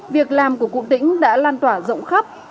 việc làm của cụ tĩnh đã lan tỏa rộng khắp